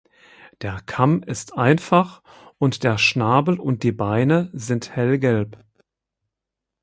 Der Kamm ist einfach und der Schnabel und die Beine sind hellgelb.